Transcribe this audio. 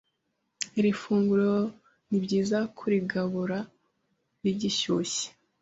iri funguro ni byiza kurigabura rigishyushye